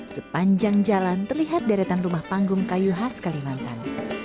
sepanjang jalan terlihat deretan rumah panggung kayu khas kalimantan